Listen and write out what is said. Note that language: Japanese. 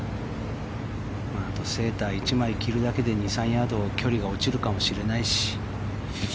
あと、セーター１枚着るだけで２３ヤード距離が落ちるかもしれないし。